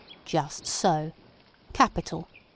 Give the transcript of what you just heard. "Just so. Capital.